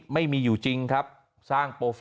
ไม่มีอยู่จริงครับ